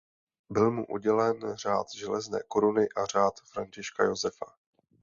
Byl mu udělen Řád železné koruny a Řád Františka Josefa.